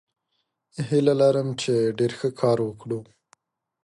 هیله لرم چې ډیر ښه کار وکړو.